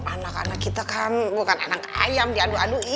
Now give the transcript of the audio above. anak anak kita kan bukan anak ayam diadu aduin